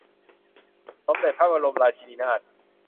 สมเด็จพระบรมราชินีนาถ